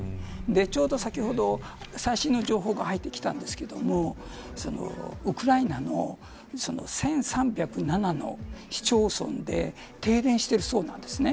ちょうど先ほど最新の情報が入ってきたんですけれどもウクライナの１３０７の市町村で停電しているそうなんです。